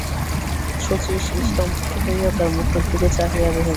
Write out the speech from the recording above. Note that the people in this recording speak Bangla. শচীশ স্তম্ভিত হইয়া তার মুখের দিকে চাহিয়া রহিল।